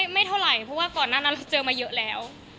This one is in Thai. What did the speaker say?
พี่ขอถามจุดเริ่มต้นเรารู้จักกันได้ยังไง